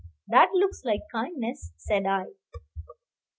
"That looks like kindness," said I.